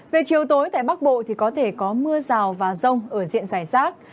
về chiều tối tại bắc bộ có thể có mưa rào và rông ở diện giải sát